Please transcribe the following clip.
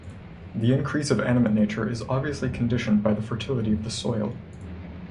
The increase of animate nature is obviously conditioned by the fertility of the soil.